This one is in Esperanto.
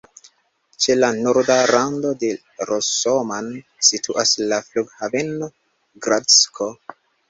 Ĉe la norda rando de Rosoman situas la Flughaveno Gradsko.